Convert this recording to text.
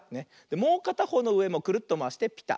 もうかたほうのうでもクルッとまわしてピタッ。